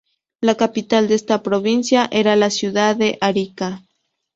La capital de esta provincia era la ciudad de Arica.